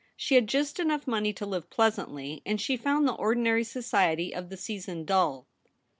She had just enough money to live pleasantly, and she found the ordinary society of the season dull.